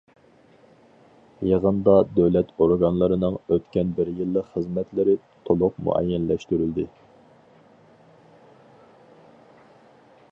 يىغىندا دۆلەت ئورگانلىرىنىڭ ئۆتكەن بىر يىللىق خىزمەتلىرى تولۇق مۇئەييەنلەشتۈرۈلدى.